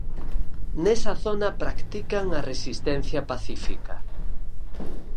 Nesa zona practican a resistencia pacífica.